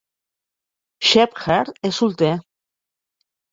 Shepherd és solter.